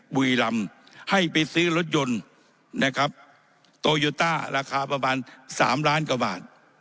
บุรีรำให้ไปซื้อรถยนต์นะครับโตโยต้าราคาประมาณสามล้านกว่าบาท